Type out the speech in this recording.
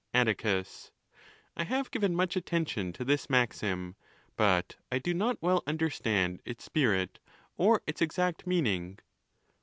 Atticus.—I have given much attention to this maxim, but I do not well understand its spirit or its exact meaning.